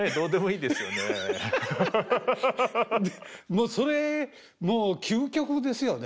もうそれもう究極ですよね。